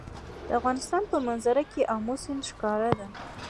د افغانستان په منظره کې آمو سیند ښکاره ده.